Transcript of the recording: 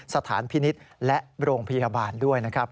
สถานพินิษฐ์และโรงพยาบาลด้วยนะครับ